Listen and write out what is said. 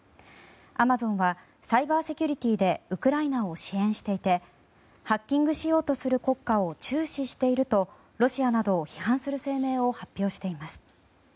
アマゾンはサイバーセキュリティーでウクライナを支援していてハッキングしようとする国家を注視しているとロシアなどを批判する声明を発表しています。